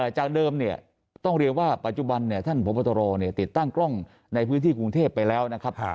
จากเดิมเนี่ยต้องเรียกว่าปัจจุบันท่านพบตรติดตั้งกล้องในพื้นที่กรุงเทพไปแล้วนะครับ